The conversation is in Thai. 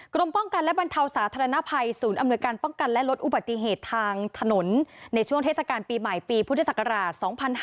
กรมป้องกันและบรรเทาสาธารณภัยศูนย์อำนวยการป้องกันและลดอุบัติเหตุทางถนนในช่วงเทศกาลปีใหม่ปีพุทธศักราช๒๕๕๙